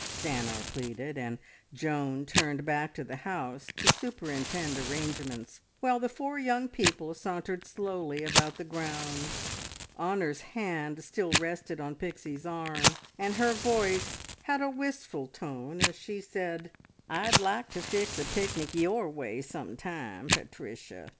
Stanor pleaded; and Joan turned back to the house to superintend arrangements, while the four young people sauntered slowly about the grounds. Honor's hand still rested on Pixie's arm, and her voice had a wistful tone as she said "I'd like to fix a picnic your way some time, Pat ricia!